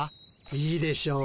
いいでしょう。